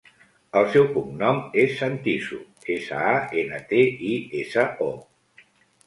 El seu cognom és Santiso: essa, a, ena, te, i, essa, o.